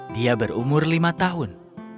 dia berumur lima tahun